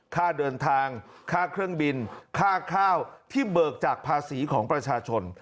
ค่าเดินทางค่าเครื่องบินค่าข้าวที่เบิกจากภาษีของประชาชน